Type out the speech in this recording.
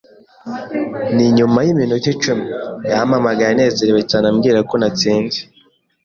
n Nyuma y’iminota icumi yampamagaye anezerewe cyane ambwira ko natsinze.